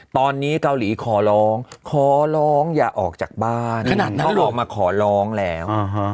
ตอนนี้เกาหลีขอร้องขอร้องอย่าออกจากบ้านขนาดนั้นเขาลงมาขอร้องแล้ว